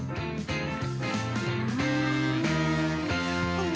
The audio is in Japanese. うん。